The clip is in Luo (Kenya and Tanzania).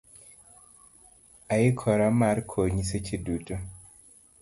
Aikora mar konyi seche duto.